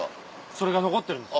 それが残ってるんです。